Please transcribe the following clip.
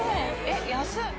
えっ安っ。